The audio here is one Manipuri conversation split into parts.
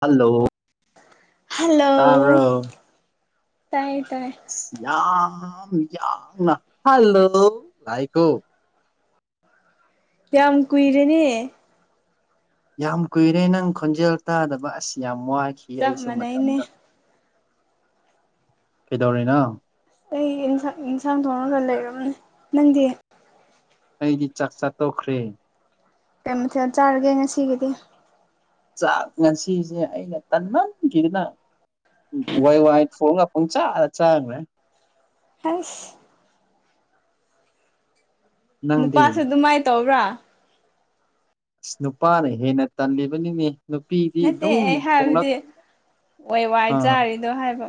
ꯍꯜꯂꯣ ꯍꯜꯂꯣ ꯇꯥꯕ꯭ꯔꯣ ꯇꯥꯏ ꯇꯥꯏ ꯌꯥꯝ ꯌꯥꯝ ꯌꯥꯡꯅ ꯍꯜꯂꯣ ꯔꯥꯏꯀꯣ ꯌꯥꯝ ꯀꯨꯏꯔꯦꯅꯦ ꯌꯥꯝ ꯀꯨꯏꯔꯦ ꯅꯪ ꯈꯣꯟꯖꯦꯜ ꯇꯥꯗꯕ ꯑꯁꯤ ꯌꯥꯝ ꯋꯥꯈ ꯈꯤ ꯆꯞ ꯑꯩꯁꯨꯨ ꯃꯥꯟꯅꯩꯅꯦ ꯃꯇꯝꯗ ꯀꯩꯗꯧꯔꯤꯅꯣ ꯑꯩꯟꯁꯥꯡ ꯌꯦꯟꯁꯥꯡ ꯊꯣꯡꯉꯒ ꯂꯩꯔꯕꯅꯦ ꯅꯪꯗꯤ ꯑꯩꯗꯤ ꯆꯥꯛ ꯆꯥ ꯇꯣꯛꯈ꯭ꯔꯦ ꯀꯩ ꯃꯥꯊꯦꯜ ꯆꯥꯔꯒꯦ ꯉꯁꯤꯒꯤꯗꯤ ꯆꯥꯛ ꯉꯁꯤꯁꯦ ꯑꯩꯅ ꯇꯟꯃꯟꯈꯤꯗꯅ ꯋꯥꯏ ꯋꯥꯏ ꯊꯣꯡꯉꯥ ꯄꯪꯆꯥꯗ ꯆꯥꯒ꯭ꯔꯦ ꯑꯥꯁ ꯅꯪꯗꯤ ꯅꯨꯄꯥꯁꯨ ꯑꯗꯨꯃꯥꯏꯅ ꯇꯧꯕ꯭ꯔꯥ ꯑꯁ ꯅꯨꯄꯥꯅ ꯍꯦꯟꯅ ꯇꯜꯂꯤꯕꯅꯤꯅꯦ ꯅꯨꯄꯤꯗꯤ ꯅꯠꯇꯦ ꯑꯗꯨꯝ ꯑꯩ ꯍꯥꯏꯕꯗꯤ ꯊꯣꯛꯣꯡꯂꯛ ꯑꯥ ꯗꯣ ꯍꯥꯏꯕ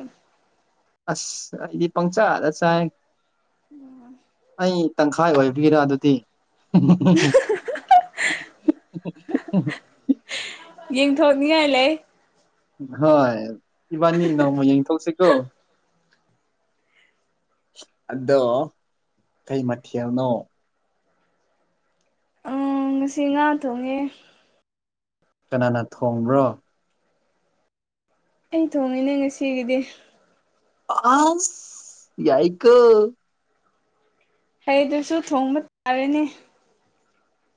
ꯑꯁ ꯑꯩꯗꯤ ꯄꯪꯆꯥꯗ ꯆꯥꯏ ꯎꯝ ꯑꯩ ꯇꯪꯈꯥꯏ ꯑꯣꯏꯕꯤꯔ ꯑꯗꯨꯗꯤ [inaudible] ꯌꯦꯡꯊꯣꯛꯅꯤꯡꯉꯥꯏ ꯂꯩ ꯍꯣꯏ ꯏꯕꯥꯅꯤ ꯅꯣꯡꯃ ꯌꯦꯡꯊꯣꯛꯁꯤꯀꯣ ꯑꯗꯣ ꯀꯩ ꯃꯊꯦꯜꯅꯣ ꯎ ꯉꯁꯤ ꯉꯥ ꯊꯣꯡꯉꯦ ꯀꯅꯥꯅ ꯊꯣꯡꯕ꯭ꯔꯣ ꯑꯩ ꯊꯣꯡꯉꯤꯅꯦ ꯉꯁꯤꯒꯤꯗꯤ ꯑ ꯌꯥꯏ ꯀ ꯍꯩꯗꯨꯁꯨ ꯊꯣꯡꯕ ꯇꯥꯔꯅꯤ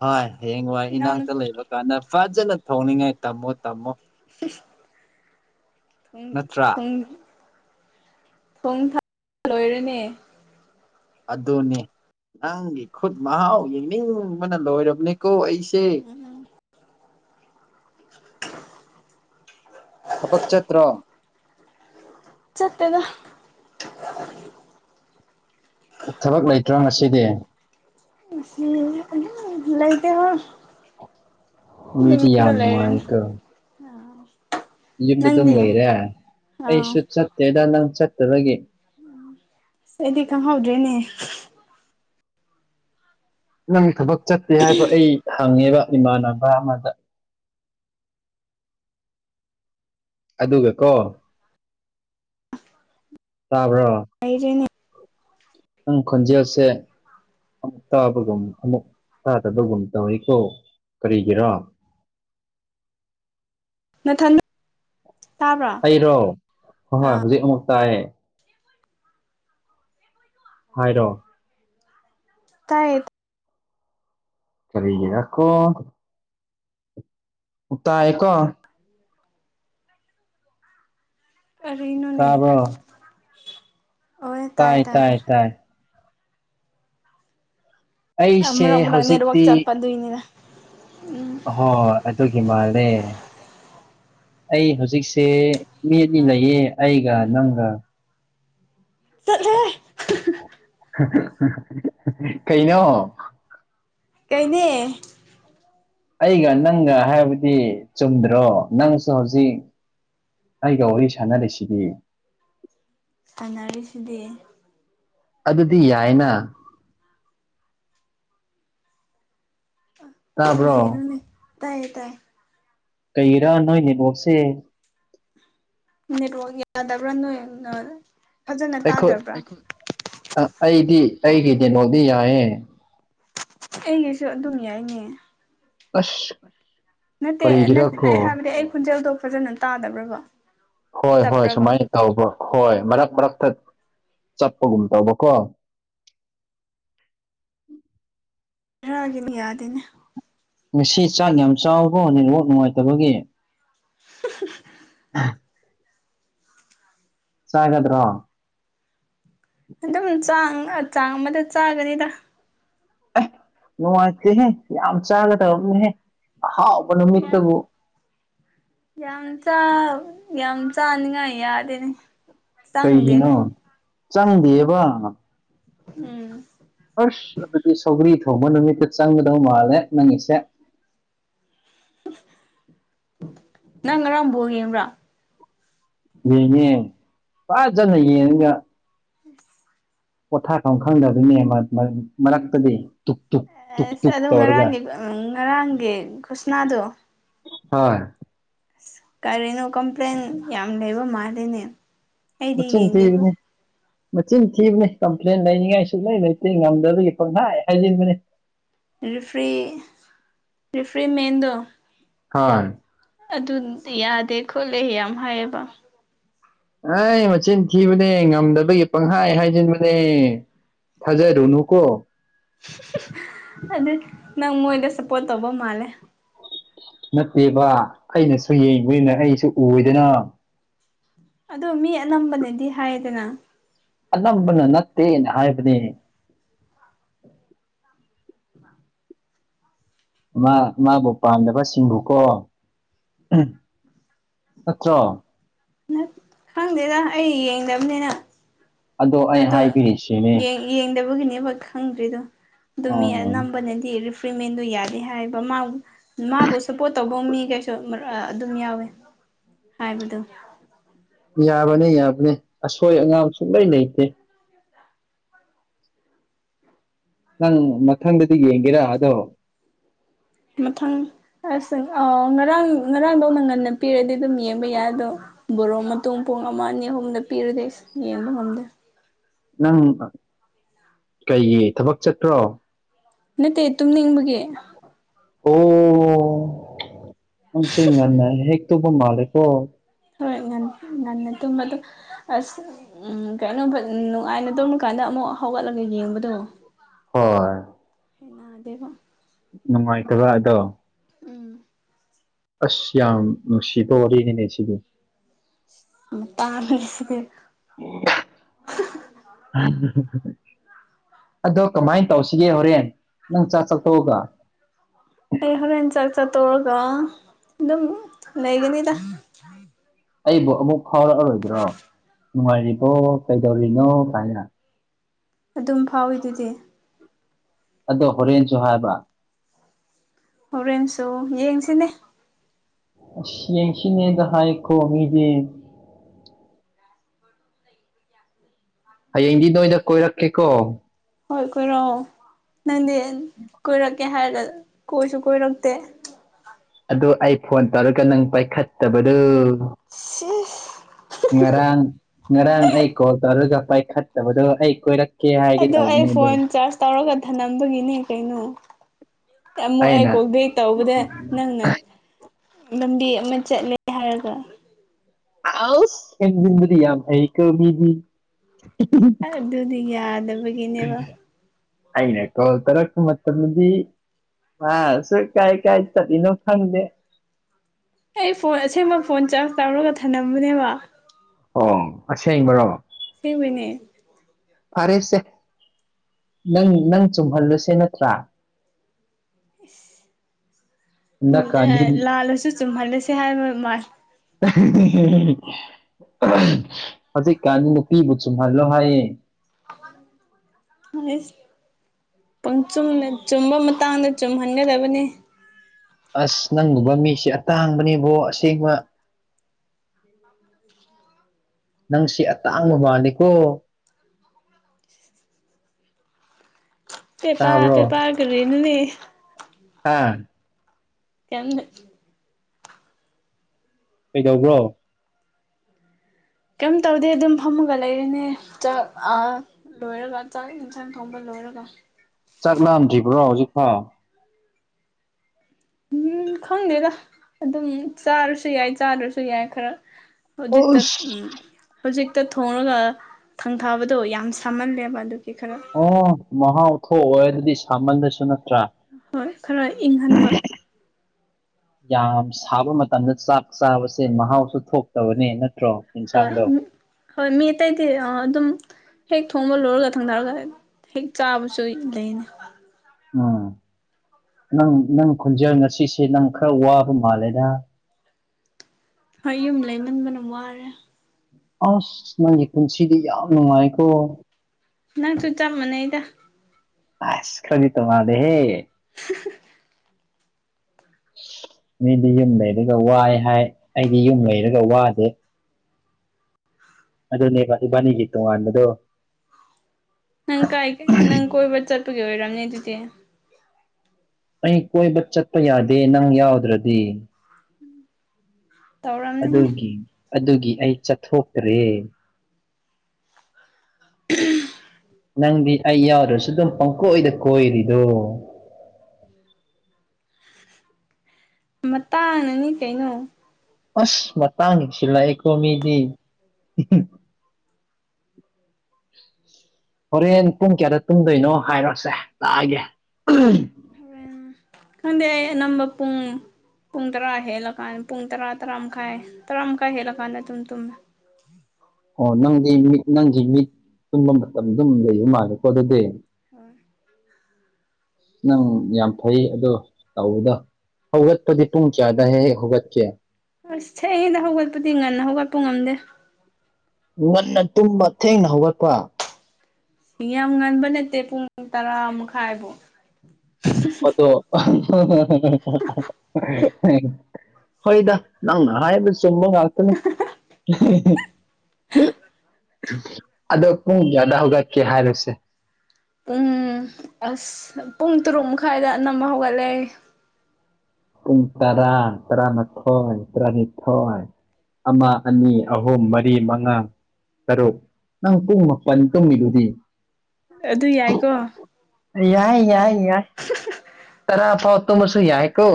ꯍꯣꯏ ꯍꯌꯦꯡꯋꯥꯏ ꯏꯅꯥꯎꯅ ꯏꯅꯥꯛꯇ ꯂꯩꯕ ꯀꯥꯟꯗ ꯐꯖꯅ ꯊꯣꯡꯅꯤꯡꯉꯥꯏ ꯇꯝꯃꯣ ꯇꯝꯃꯣ ꯊ ꯅꯠꯇ꯭ꯔꯥ ꯊꯣꯡ ꯊꯣꯡ ꯊ ꯂꯣꯏꯔꯅꯦ ꯑꯗꯨꯅꯦ ꯅꯪꯒꯤ ꯈꯨꯠ ꯃꯍꯥꯎ ꯌꯦꯡꯅꯤꯡꯕꯅ ꯂꯣꯏꯔꯕꯅꯤꯀꯣ ꯑꯩꯁꯦ [inaudible] ꯊꯕꯛ ꯆꯠꯇ꯭ꯔꯣ ꯆꯠꯇꯗ ꯊꯕꯛ ꯂꯩꯇ꯭ꯔꯣ ꯉꯁꯤꯗꯤ ꯂꯩꯇ ꯍ ꯃꯤ ꯃꯤꯗꯤ ꯌꯥꯝ ꯂꯩꯔ ꯅꯨꯡꯉꯥꯏꯀꯣ ꯌꯨꯝ ꯑꯗꯨꯝ ꯂꯩꯔꯦ ꯑꯥ ꯑꯩꯁꯨ ꯆꯠꯇꯦꯗ ꯅꯪ ꯆꯠꯇꯕꯒꯤ ꯁꯤꯗꯤ ꯀꯝꯍꯧꯗ꯭ꯔꯦꯅꯦ ꯅꯪ ꯊꯕꯛ ꯆꯠꯇꯦ ꯍꯥꯏꯕ ꯑꯩ ꯍꯪꯉꯦꯕ ꯏꯃꯥꯟꯅꯕ ꯑꯃꯗ ꯑꯗꯨꯒ ꯀꯣ ꯇꯥꯕ꯭ꯔꯣ ꯀ ꯅꯪ ꯈꯣꯟꯖꯦꯜꯁꯦ ꯑꯃꯨꯛ ꯇꯥꯕꯒꯨꯝ ꯑꯃꯨꯛ ꯇꯥꯗꯕꯒꯨꯝ ꯇꯧꯏꯀꯣ ꯀꯔꯤꯒꯤꯔꯥ ꯅꯊꯟ ꯇꯥꯕ꯭ꯔꯥ ꯑꯩꯔꯣ ꯍꯣꯏ ꯍꯣꯏ ꯍꯧꯖꯤꯛ ꯑꯃꯨꯛ ꯇꯥꯏ ꯍꯥꯏꯔꯣ ꯇꯥꯏꯠ ꯀꯔꯤꯦ ꯑꯀꯣ ꯎ ꯇ ꯑꯩꯣ ꯑꯦꯅꯣꯅꯦ ꯇꯥꯕ꯭ꯔꯣ ꯇꯥꯏ ꯇꯥꯏ ꯇꯥꯏ ꯃꯔꯛ ꯑꯩꯁꯦ ꯃꯔꯛ ꯅꯦꯠꯋꯥꯛ ꯍꯧꯖꯤꯛꯇꯤ ꯆꯠꯄ ꯑꯗꯨꯏꯅꯤꯅ ꯎꯝ ꯍꯣꯏꯣꯏ ꯑꯗꯨꯒꯤ ꯃꯥꯜꯂꯦ ꯑꯩ ꯍꯧꯖꯤꯛꯁꯦ ꯃꯤꯗꯤ ꯂꯩꯌꯦ ꯑꯩꯒ ꯅꯪꯒ ꯆꯠꯂꯦ ꯀꯩꯅꯣ ꯀꯩꯅꯦ ꯑꯩꯒ ꯅꯪꯒ ꯍꯥꯏꯕꯗꯤ ꯆꯨꯝꯗ꯭ꯔꯣ ꯅꯪꯁꯨ ꯍꯧꯖꯤꯛ ꯑꯩꯒ ꯋꯥꯔꯤ ꯁꯥꯟꯅꯔꯤꯁꯤꯗꯤ ꯑꯅꯔꯤꯁꯤꯗꯤ ꯑꯗꯨꯗꯤ ꯌꯥꯏꯅ ꯇꯥꯕ꯭ꯔꯣ ꯁꯔꯅꯦ ꯇꯌꯦ ꯇꯥꯌꯦ ꯀꯩꯔꯥ ꯅꯣꯏꯅꯦꯅꯤꯕꯣꯛꯁꯦ ꯅꯦꯠꯋꯥꯛ ꯌꯥꯗꯕ꯭ꯔꯥ ꯅꯣꯏ ꯐꯖꯅ ꯇꯥꯗꯕ꯭ꯔꯥ ꯑ ꯑꯩꯗꯤ ꯑꯩꯒꯤ ꯀꯩꯅꯣꯗꯤ ꯌꯥꯏꯌꯦꯦ ꯑꯩꯒꯤꯁꯨ ꯑꯗꯨꯝ ꯌꯥꯏꯅꯦ ꯑꯁ ꯅꯠꯇꯦ ꯀꯔꯤꯒꯤꯔꯀꯣ ꯑꯩ ꯍꯥꯏꯕꯗꯤ ꯑꯩ ꯈꯣꯟꯖꯦꯜꯗꯣ ꯐꯖꯅ ꯇꯥꯗꯕ꯭ꯔꯕꯣ ꯍꯣꯏ ꯍꯣꯏ ꯁꯨꯃꯥꯏꯅ ꯇꯧꯕ ꯍꯣꯏ ꯃꯔꯛ ꯃꯔꯛꯇ ꯆꯠꯄꯒꯨꯝ ꯇꯧꯕ ꯀꯣ ꯍꯔꯥꯡꯒꯤꯅꯤ ꯌꯥꯗꯦꯅꯦ ꯉꯁꯤ ꯆꯥꯛ ꯌꯥꯝ ꯆꯥꯎꯕꯣ ꯅꯦꯠꯋꯥꯛ ꯅꯨꯡꯉꯥꯏꯇꯕꯒꯤ [unintelligible] ꯆ ꯍꯥꯏꯗ꯭ꯔꯣ ꯑꯗꯨꯝ ꯆꯥꯡ ꯆꯥꯡ ꯑꯃꯗ ꯆꯥꯒꯅꯤꯗ ꯑꯦ ꯅꯨꯡꯉꯥꯏꯇꯦꯍꯦ ꯌꯥꯝ ꯆꯥꯒꯗꯕꯅꯦꯍꯦ ꯑꯍꯥꯎꯕ ꯅꯨꯃꯤꯠꯇꯕꯨ ꯌꯥꯝ ꯆ ꯌꯥꯝ ꯆꯅꯤꯉꯥꯏ ꯌꯥꯗꯦꯅꯤ ꯀꯩꯒꯤꯅꯣ ꯆꯪꯗꯦꯕ ꯎꯝ ꯐꯥꯔꯁ ꯑꯗꯨꯗꯤ ꯁꯧꯒ꯭ꯔꯤ ꯊꯣꯡꯕ ꯅꯨꯃꯤꯠꯇ ꯆꯪꯒꯗꯧ ꯃꯥꯜꯂꯦ ꯅꯪꯒꯤꯁꯦ ꯅꯪ ꯉꯔꯕꯒꯦ꯭ꯔꯥ ꯌꯦꯡꯅꯦꯦ ꯐꯖꯅ ꯌꯦꯡꯉꯒ ꯎꯝ ꯄꯣꯊꯥꯐꯝꯐꯝ ꯈꯪꯗꯗꯣꯏꯅꯦ ꯃꯔꯛꯇꯗꯤ ꯇꯨꯛ ꯇꯨꯛ ꯇꯨꯛ ꯁ ꯇꯨꯛ ꯑꯣ ꯇꯧꯔꯒ ꯉꯔꯥꯡꯒꯤ ꯉꯔꯥꯡꯒꯤ ꯈꯨꯁꯅꯥꯗꯣ ꯍꯣꯏ ꯑꯁ ꯀꯔꯤꯅꯣ ꯀꯝꯄ꯭ꯂꯦꯟ ꯌꯥꯝ ꯂꯩꯕ ꯃꯥꯜꯂꯤꯅꯦ ꯃ ꯑꯩꯗꯤ ꯌꯦꯡꯗꯦꯕꯨ ꯊꯤꯒꯅꯦ ꯃꯆꯤꯟ ꯊꯤꯕꯅꯤ ꯀꯝꯄ꯭ꯂꯦꯟ ꯂꯩꯅꯤꯡꯉꯥꯏ ꯁꯨꯛꯂꯩ ꯂꯩꯇꯦ ꯉꯝꯗꯕꯒꯤ ꯄꯪꯈꯥꯏ ꯍꯥꯏꯖꯤꯟꯕꯅꯤ ꯔꯔꯤꯐ꯭ꯔꯤ ꯔꯔꯤꯐ꯭ꯔꯤ ꯃꯗꯣ ꯍꯥꯏ ꯑꯗꯨꯟꯗꯤ ꯌꯥꯗꯦ ꯈꯣꯠꯂꯦ ꯌꯥꯝ ꯍꯥꯏꯌꯦꯕ ꯑꯥꯏ ꯃꯆꯤꯟ ꯊꯤꯕꯅꯦ ꯉꯝꯗꯕꯒꯤ ꯄꯪꯍꯥꯏ ꯍꯥꯏꯖꯤꯟꯕꯅꯦ ꯊꯥꯖꯔꯨꯅꯨꯀꯣ ꯑꯗꯨ ꯅꯪ ꯃꯣꯏꯗ ꯁꯞꯄꯣꯔꯠ ꯇꯧꯕ ꯃꯥꯜꯂꯦ ꯅꯠꯇꯦꯕ ꯑꯩꯅꯁꯨ ꯌꯦꯡꯕꯅꯤꯅ ꯑꯩꯁꯨ ꯎꯏꯗꯅ ꯑꯗꯨ ꯃꯤ ꯑꯅꯝꯕꯅꯗꯤ ꯍꯥꯏꯌꯦꯗꯅ ꯑꯅꯝꯕꯅ ꯅꯠꯇꯦꯅ ꯍꯥꯏꯕꯅꯦ [inaudible] ꯃꯥ ꯃꯥꯕꯨ ꯄꯥꯝꯗꯕꯁꯤꯡꯕꯨꯀꯣ ꯎꯝ ꯅꯠꯇ꯭ꯔꯣ ꯅꯠ ꯈꯪꯗꯦꯗ ꯑꯩ ꯌꯦꯡꯗꯕꯅꯤꯅ ꯑꯩ ꯑꯗꯣ ꯍꯥꯏꯕꯤꯔꯤꯁꯤꯅꯦ ꯌꯦꯡ ꯌꯦꯡꯗꯕꯒꯤꯅꯦꯕ ꯈꯪꯗ꯭ꯔꯤꯗꯣ ꯑꯗꯨ ꯃꯤ ꯎꯝ ꯑꯅꯝꯕꯅꯗꯤ ꯔꯤ ꯐ꯭ꯔꯤꯃꯦꯟꯗꯣ ꯌꯥꯗꯦ ꯍꯥꯏꯌꯦꯕ ꯃꯥ ꯃꯥꯕꯨ ꯁꯞꯄꯣꯔꯠ ꯇꯧꯕ ꯃꯤꯒꯩꯁꯨ ꯃꯔꯛ ꯑ‌ ꯑꯗꯨꯝ ꯌꯥꯎꯋꯦ ꯍꯥꯏꯕꯗꯣ ꯌꯥꯕꯅꯦ ꯌꯥꯕꯅꯦ ꯑꯁꯣꯏ ꯑꯉꯥꯝ ꯁꯨꯡꯂꯩ ꯂꯩꯇꯦ ꯅꯪ ꯃꯊꯪꯗꯗꯤ ꯌꯦꯡꯒꯦꯔ ꯑꯗꯣ ꯃꯊꯪ ꯑꯁ ꯑ ꯉꯔꯥꯡ ꯉꯔꯥꯡꯗꯧꯅ ꯉꯟꯅ ꯄꯤꯔꯗꯤ ꯑꯗꯨꯝ ꯌꯦꯡꯕ ꯌꯥꯏ ꯑꯗꯣ ꯕꯣꯔꯣ ꯃꯇꯨꯡ ꯄꯨꯡ ꯑꯃ ꯑꯅꯤ ꯑꯍꯨꯝꯗ ꯄꯤꯔꯥꯗꯦꯁ ꯌꯦꯟꯕ ꯉꯝꯗꯦ ꯅꯪ ꯑ ꯀꯩꯒꯤ ꯊꯕꯛ ꯆꯠꯄ꯭ꯔꯣ ꯅꯠꯇꯦ ꯇꯨꯝꯅꯤꯡꯕꯒꯤ ꯑꯣ ꯑꯣ ꯅꯪꯁꯤ ꯉꯟꯅ ꯍꯦꯛ ꯇꯨꯝꯕ‌ ꯃꯥꯂꯦꯀꯣ ꯍꯣꯏ ꯉꯟ ꯉꯟꯅ ꯇꯨꯝꯕꯗꯨ ꯑꯁ ꯎꯝ ꯀꯩꯅꯣ ꯐꯠ ꯅꯨꯡꯉꯥꯏꯅ ꯇꯨꯝꯃꯥꯀꯥꯟꯗ ꯑꯃꯨꯛ ꯍꯧꯒꯠꯂꯒ ꯌꯦꯡꯕꯗꯣ ꯍꯣꯏ ꯍꯩꯅꯗꯦꯕꯣ ꯅꯨꯡꯉꯥꯏꯇꯕ ꯑꯗꯣ ꯎꯝ ꯑꯁ ꯌꯥꯝ ꯅꯨꯡꯁꯤꯕ ꯋꯥꯔꯤꯅꯤꯅꯦ ꯁꯤꯗꯤ [unintelligible] [unintelligible] ꯑꯗꯣ ꯀꯃꯥꯏꯟ ꯇꯧꯁꯤꯒꯦ ꯍꯧꯔꯦꯟ ꯅꯪ ꯆꯥꯛ ꯆꯊꯣꯛꯑꯒ ꯑꯩ ꯍꯧꯔꯦꯟ ꯆꯥꯛꯆꯥ ꯇꯣꯛꯑꯒ ꯑꯗꯨꯝ ꯂꯩꯒꯅꯤꯗ ꯑꯩꯕꯨ ꯑꯃꯨꯛ ꯐꯥꯎꯔꯛꯑꯔꯣꯏꯗ꯭ꯔꯣ ꯅꯨꯡꯉꯥꯏꯔꯤꯕꯣ ꯀꯩꯗꯧꯔꯤꯅꯣ ꯀꯥꯏꯅ ꯑꯗꯨꯝ ꯐꯥꯎꯋꯤꯗꯨꯗꯤ ꯑꯗꯣ ꯍꯣꯔꯦꯟꯁꯨ ꯍꯥꯏꯕ ꯍꯣꯔꯦꯟꯁꯨ ꯌꯦꯡꯁꯤꯅꯦ ꯑꯁ ꯌꯦꯝꯁꯤꯅꯦꯗ ꯍꯥꯏꯀꯣ ꯃꯤꯗꯤ ꯍꯌꯦꯡꯗꯤ ꯅꯣꯏꯗ ꯀꯣꯏꯔꯛꯀꯦꯀꯣ ꯍꯣꯏ ꯀꯣꯏꯔꯛꯑꯣ ꯅꯪꯗꯤ ꯀꯣꯏꯔꯛꯀꯦ ꯍꯥꯏꯔꯒ ꯀꯣꯏꯁꯨ ꯀꯣꯏꯔꯛꯇꯦ ꯑꯗꯣ ꯑꯩ ꯐꯣꯟ ꯇꯧꯔꯒ ꯅꯪ ꯄꯥꯏꯈꯠꯇꯕꯗꯣ ꯁꯤꯏ꯭ꯁ ꯉꯔꯥꯡ ꯉꯔꯥꯡ ꯑꯩ ꯀꯣꯜ ꯇꯧꯔꯒ ꯄꯥꯏꯈꯠꯇꯕꯗꯣ ꯑꯩ ꯀꯣꯏꯔꯛ ꯀꯦ ꯍꯥꯏꯒꯦ ꯑꯗꯣ ꯑꯩ ꯇꯧꯕꯅꯦ ꯑꯗꯣ ꯐꯣꯟ ꯆꯥꯔꯖ ꯇꯧꯔꯒ ꯊꯅꯝꯕꯒꯤꯅꯦ ꯀꯩꯅꯣ ꯑꯃꯨꯛ ꯑꯩ ꯑꯩꯅ ꯀꯣꯜ ꯕꯣꯛ ꯇꯧꯕꯗ ꯅꯪꯅ ꯂꯝꯕꯤ ꯑꯃ ꯆꯠꯂꯦ ꯍꯥꯏꯔꯒ ꯑꯥꯎꯁ ꯁꯦꯝꯖꯤꯟꯕꯗꯤ ꯌꯥꯝ ꯍꯩꯌꯦꯀꯣ ꯃꯤꯗꯤ [unintelligible] ꯑꯥꯏ ꯑꯗꯨꯗꯤ ꯌꯥꯗꯕꯒꯤꯅꯦꯕ ꯑꯩꯅ ꯀꯣꯜ ꯇꯔꯛꯄ ꯃꯇꯝꯗꯤ ꯑ ꯁꯣꯏ ꯀꯥꯏ ꯀꯥꯏ ꯆꯠꯂꯤꯅꯣ ꯈꯪꯗꯦ ꯑꯩ ꯐꯣꯟ ꯑꯁꯦꯡꯕ ꯐꯣꯟ ꯆꯥꯔꯖ ꯇꯧꯔꯒ ꯊꯝꯂꯝꯝꯕꯅꯦꯕ ꯑꯣ ꯑꯁꯦꯡꯕꯔꯣ ꯑꯁꯦꯡꯕꯩꯅꯦ ꯐꯔꯦꯁꯦ ꯅꯪ ꯅꯪ ꯆꯨꯝꯍꯜꯂꯁꯦ ꯅꯠꯇ꯭ꯔꯥ ꯍꯟꯗꯛꯀꯥꯟꯗꯤ ꯑꯂ ꯑ ꯥꯜꯂꯁꯨ ꯆꯨꯝꯍꯜꯂꯁꯦ ꯍꯥꯏꯕ ꯃꯥꯜ [unintelligible] [unintelligible] ꯍꯧꯖꯤꯛꯀꯥꯟꯁꯦ ꯅꯨꯄꯤꯕꯨ ꯆꯨꯝꯍꯜꯂꯣ ꯍꯥꯏꯌꯦ ꯑꯩꯁ ꯄꯡꯆꯨꯝ ꯆꯨꯝꯕ ꯃꯇꯥꯡꯗ ꯆꯨꯝꯍꯟꯒꯗꯕꯅꯤ ꯑꯁ ꯅꯪꯒꯨꯝꯕ ꯃꯤꯁꯦ ꯑꯇꯥꯡꯕꯅꯦꯕꯣ ꯑꯁꯦꯡꯕ [unintelligible] ꯅꯪ ꯁꯤ ꯑꯇꯥꯡꯕ ꯕꯥꯅꯤꯀꯣ ꯇꯥꯕ꯭ꯔꯣ [unintelligible] ꯅꯤꯅꯦ ꯑꯥ ꯀꯩꯝ ꯅꯠ ꯀꯩꯗꯧꯕ꯭ꯔꯣ ꯀꯩꯝ ꯇꯧꯗꯦ ꯑꯗꯨꯝ ꯐꯝꯃꯒ ꯂꯩꯔꯦꯅꯦ ꯑ ꯆꯥꯛ ꯂꯣꯏꯔꯒ ꯆꯥꯛ ꯌꯦꯟꯁꯥꯡ ꯊꯣꯡꯕ ꯂꯣꯏꯔꯒ ꯆꯥꯛ ꯂꯥꯝ ꯊ꯭ꯔꯤꯕ꯭ꯔꯣ ꯍꯧꯖꯤꯛ ꯐꯥꯎ ꯎꯝ ꯈꯪꯗꯦꯗ ꯑꯗꯨꯝ ꯆꯥꯔꯁꯨ ꯌꯥꯏ ꯆꯥꯗ꯭ꯔꯁꯨ ꯌꯥꯏ ꯈꯔ ꯍꯧꯖꯤꯛ ꯇ ꯑꯁ ꯎꯝ ꯍꯧꯖꯤꯛꯇ ꯊꯣꯡꯉꯒ ꯊꯪ ꯊꯥꯕꯗꯣ ꯌꯥꯝ ꯁꯥꯃꯜꯂꯦꯕ ꯑꯗꯨꯒꯤ ꯈꯔ ꯑꯣ ꯃꯍꯥꯎ ꯊꯣꯛꯣꯛꯑꯣꯏ ꯑꯗꯨꯗꯤ ꯁꯥꯃꯟꯂꯁꯨ ꯅꯠꯇ꯭ꯔꯥ ꯍꯣꯏ ꯈꯔ ꯏꯪꯍꯟꯕ ꯌꯥꯝ ꯁꯥꯕ ꯃꯇꯝꯗ ꯆꯥꯛ ꯆꯥꯕꯁꯦ ꯃꯍꯥꯎꯁꯨ ꯊꯣꯛꯇꯕꯅꯦ ꯅꯠꯇ꯭ꯔꯣ ꯌꯦꯟꯁꯥꯡꯗꯣ ꯍꯣꯏ ꯍꯣꯏ ꯃꯤ ꯑꯇꯩꯗꯤ ꯑꯗꯨꯝ ꯍꯦꯛ ꯊꯣꯡꯕ ꯂꯣꯏꯔꯒ ꯊꯪꯗꯥꯔꯒ ꯍꯦꯛ ꯆꯥꯕꯁꯨ ꯂꯩꯅ ꯎꯝ ꯅꯪ ꯅꯪ ꯈꯣꯟꯖꯦꯜ ꯉꯁꯤꯁꯦ ꯅꯪ ꯈꯔ ꯋꯥꯕ ꯃꯥꯜꯂꯦꯗ ꯍꯣꯏ ꯌꯨꯝ ꯂꯩꯃꯟꯗꯅ ꯋꯥꯔꯦ ꯑꯁ ꯅꯪꯒꯤ ꯄꯨꯟꯁꯤꯗꯤ ꯌꯥꯝ ꯅꯨꯡꯉꯥꯏꯀꯣ ꯅꯪꯁꯨ ꯆꯞ ꯃꯥꯟꯅꯩꯗ ꯑꯁ ꯈꯔꯗꯤ ꯇꯣꯉꯥꯟꯂꯦ ꯍꯦ ꯃꯤꯗꯤ ꯌꯨꯝ ꯂꯩꯔꯒ ꯋꯥꯏ ꯍꯥꯏ ꯑꯩꯗꯤ ꯌꯨꯝ ꯂꯩꯔꯒ ꯋꯥꯗꯦ ꯑꯗꯨꯅꯦꯕ ꯏꯕꯥꯅꯤꯒꯤ ꯇꯣꯉꯥꯟꯕꯗꯣ ꯅꯪ ꯀꯥꯏ ꯀꯩ ꯅꯪ ꯀꯣꯏꯕ ꯆꯠꯄꯒꯤ ꯑꯣꯏꯔꯝꯅꯤ ꯑꯗꯨꯗꯤ ꯑꯩ ꯀꯣꯏꯕ ꯆꯠꯄ ꯌꯥꯗꯦ ꯅꯪ ꯌꯥꯎꯗ꯭ꯔꯗꯤ ꯇꯧꯔꯝꯅꯤꯅꯦ ꯑꯗꯨꯒꯤ ꯑꯗꯨꯒꯤ ꯑꯩ ꯆꯠꯊꯣꯛꯇ꯭ꯔꯦ [unintelligible] ꯅꯪꯗꯤ ꯑꯩ ꯌꯥꯎꯗ꯭ꯕꯁꯨ ꯑꯗꯨꯝ ꯄꯪꯀꯣꯏꯗ ꯀꯣꯏꯔꯤꯔꯣ ꯎꯝ ꯃꯇꯥꯡꯅꯅꯤ ꯀꯩꯅꯣ ꯑꯁ ꯃꯇꯥꯡꯁꯤ ꯂꯥꯛꯑꯦꯀꯣ ꯃꯤꯗꯤ ꯍꯣꯔꯦꯟ ꯄꯨꯡ ꯀꯌꯥꯗ ꯇꯨꯝꯗꯣꯏꯅꯣ ꯍꯥꯏꯔꯣꯁꯦ ꯂꯥꯛꯑꯒꯦ [unintelligible] ꯎꯝ ꯈꯪꯗꯦ ꯑꯩ ꯑꯅꯝꯕ ꯄꯨꯡ ꯄꯨꯡ ꯇꯔꯥ ꯍꯦꯂ ꯀꯥꯟ ꯄꯨꯡ ꯇꯔꯥ ꯇꯔꯥ ꯃꯈꯥꯏ ꯇꯔꯥꯝꯈꯥꯏ ꯍꯦꯂ ꯀꯥꯟꯅ ꯑꯗꯨꯝ ꯇꯨꯝꯃꯦ ꯑꯣ ꯅꯪꯗꯤ ꯃꯤꯠ ꯅꯪꯁꯤ ꯃꯤꯠ ꯇꯨꯝꯕ ꯃꯇꯝ ꯑꯗꯨꯝ ꯂꯩꯕ ꯃꯥꯜꯂꯦꯀꯣ ꯑꯗꯨꯗꯤ ꯍꯣꯏ ꯅꯪ ꯌꯥꯝ ꯐꯩ ꯑꯗꯣ ꯇꯧꯕꯗꯣ ꯍꯧꯒꯠꯄꯗꯤ ꯄꯨꯡ ꯀꯌꯥꯗ ꯍꯦꯛ ꯍꯦꯛ ꯍꯧꯒꯠ ꯀꯦ ꯑꯁ ꯊꯦꯡꯉꯦꯗ ꯍꯧꯒꯠꯄꯗꯤ ꯉꯟꯅ ꯍꯧꯒꯠꯄ ꯉꯝꯗꯦ ꯉꯟꯅ ꯇꯨꯝꯕ ꯊꯦꯡꯅ ꯍꯧꯒꯠꯄ ꯌꯥꯝ ꯉꯟꯕ ꯅꯠꯇꯦ ꯄꯨꯡ ꯇꯔꯥ ꯃꯈꯥꯏꯕꯨꯣ ꯃ ꯍꯣꯏꯗ ꯅꯪꯅ ꯍꯥꯏꯕ ꯆꯨꯝꯕ ꯉꯥꯛꯇꯅꯦ ꯑꯗꯣ ꯄꯨꯡ ꯀꯌꯥꯗ ꯍꯧꯒꯠꯀꯦ ꯍꯥꯏꯔꯁꯦ ꯄꯨꯡ ꯑꯁ ꯄꯨꯡ ꯇꯔꯨꯛ ꯃꯈꯥꯏꯗ ꯑꯅꯝꯕ ꯍꯧꯒꯠꯂꯛꯦ ꯄꯨꯡ ꯇꯔꯥ ꯇꯔꯥꯃꯥꯊꯣꯏ ꯇꯔꯥꯅꯤꯊꯣꯏ ꯑꯃ ꯑꯅꯤ ꯑꯍꯨꯝ ꯃꯔꯤ ꯃꯉꯥ ꯇꯔꯣ ꯅꯪ ꯄꯨꯡ ꯃꯥꯄꯟ ꯇꯨꯝꯃꯤꯗꯨꯗꯤ ꯑꯗꯨ ꯌꯥꯏꯀꯣ ꯌꯥꯏ ꯌꯥꯏ ꯌꯥꯏ ꯇꯔꯥ ꯐꯥꯎꯠꯇꯣꯃꯁꯨ ꯌꯥꯏ ꯀꯣ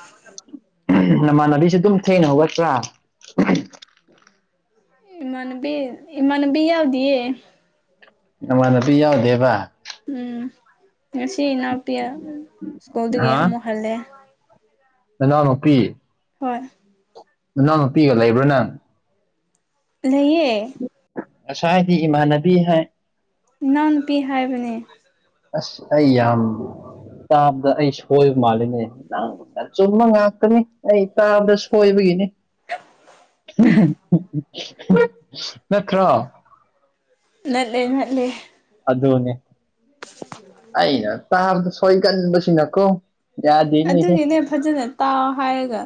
ꯑ ꯅꯃꯥꯟꯅꯕꯤꯁꯨ ꯑꯗꯨꯝ ꯊꯦꯡꯅ ꯍꯧꯒꯠꯇ꯭ꯔꯥ ꯏꯃꯥꯟꯅꯕꯤ ꯏꯃꯥꯟꯅꯕꯤ ꯌꯥꯎꯗꯤꯌꯦ ꯅꯃꯥꯟꯅꯕꯤ ꯌꯥꯎꯗꯦꯕ ꯎꯝ ꯉꯁꯤ ꯏꯅꯥꯎꯄꯤ ꯁ꯭ꯀꯨꯜꯗꯒꯤ ꯑꯃꯨꯛ ꯍꯜꯂꯦ ꯃꯅꯥꯎꯅꯨꯄꯤ ꯍꯣꯏ ꯅꯪ ꯅꯨꯄꯤꯒ ꯂꯩꯕ꯭ꯔꯣ ꯅꯪ ꯂꯩꯌꯦ ꯉꯁꯥꯏ ꯍꯥꯏꯗꯤ ꯏꯃꯥꯟꯅꯕꯤ ꯍꯥꯏ ꯏꯅꯥꯎꯅꯨꯄꯤ ꯍꯥꯏꯕꯅꯦ ꯑꯁ ꯑꯩ ꯌꯥꯝ ꯇꯥꯕꯗ ꯑꯩ ꯁꯣꯏꯕ ꯃꯥꯜꯂꯤꯅꯦꯪ ꯑꯆꯨꯝꯕ ꯉꯥꯛꯇꯅꯤ ꯑꯩ ꯇꯥꯕꯗ ꯁꯣꯏꯕꯒꯤꯅꯤ ꯅꯠꯇ꯭ꯔ ꯉꯅꯥꯠꯂꯦ ꯉꯅꯥꯠꯂꯦ ꯑꯗꯨꯅꯦ [inaudible] ꯑꯩꯅ ꯇꯥꯕꯗ ꯁꯣꯏꯒꯟꯕ ꯁꯤꯅ ꯀꯣ ꯑꯗꯨꯒꯤꯅꯦ ꯐꯖꯅ ꯇꯥꯎ ꯍꯥꯏꯔꯒ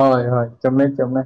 ꯍꯣꯏ ꯍꯣꯏ ꯆꯨꯝꯃꯦ ꯆꯨꯝꯃꯦ